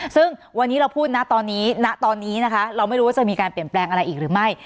ซึ่งวันนี้เราพูดนะตอนนี้ณตอนนี้นะคะเราไม่รู้ว่าจะมีการเปลี่ยนแปลงอะไรอีกหรือไม่